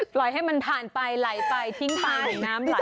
ปล่อยให้มันท่านไปหล่ายไปทิ้งไป